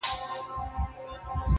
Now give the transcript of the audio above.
څرېدی به له سهاره تر ماښامه -